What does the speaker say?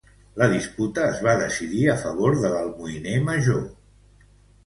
La disputa es va decidir a favor de l'almoiner major.